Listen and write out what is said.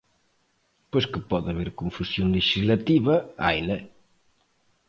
Pois que pode haber confusión lexislativa, haina.